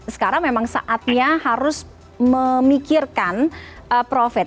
sekarang memang saatnya harus memikirkan profit